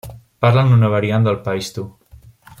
Parlen una variant del paixtu.